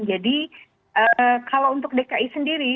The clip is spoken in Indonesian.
jadi kalau untuk dki sendiri